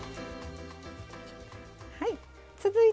はい。